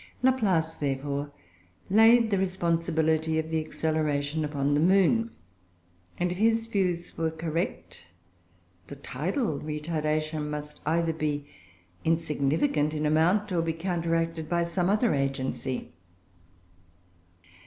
Laplace, therefore, laid the responsibility of the acceleration upon the moon, and if his views were correct, the tidal retardation must either be insignificant in amount, or be counteracted by some other agency.